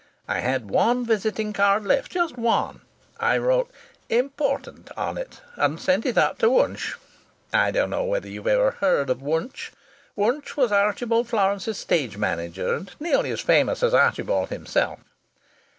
I had one visiting card left just one. I wrote 'Important' on it, and sent it up to Wunch. I don't know whether you've ever heard of Wunch. Wunch was Archibald Florance's stage manager, and nearly as famous as Archibald himself.